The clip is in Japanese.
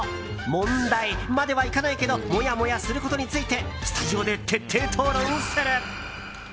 問題まではいかないけどモヤモヤすることについてスタジオで徹底討論する。